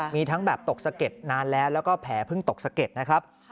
มีทั้งแบบตกสะเก็ดนานแล้วแล้วก็แผลเพิ่งตกสะเก็ดนะครับ